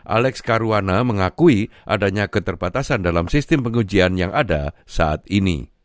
alex karwana mengakui adanya keterbatasan dalam sistem pengujian yang ada saat ini